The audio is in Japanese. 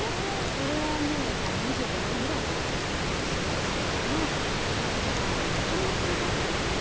これはねもう２５年ぐらい前の写真ですけれどもお米屋さんかなこれ。